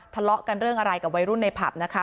ทะเลาะกันเรื่องอะไรกับวัยรุ่นในผับนะคะ